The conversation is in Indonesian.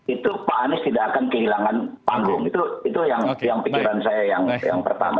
itu pak anies tidak akan kehilangan panggung itu yang pikiran saya yang pertama